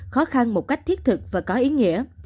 khó khăn một cách thiết thực và có ý nghĩa